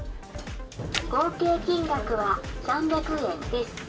合計金額は３００円です。